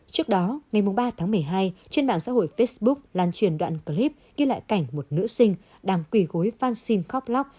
trước đó ngày ba tháng một mươi hai trên mạng xã hội facebook lan truyền đoạn clip ghi lại cảnh một nữ sinh đang quỳ gối phan xin khóc lóc